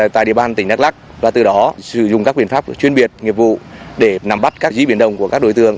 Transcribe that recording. tại địa bàn tỉnh đắk lắk và từ đó sử dụng các biện pháp chuyên biệt nghiệp vụ để nằm bắt các dí biển đồng của các đối tương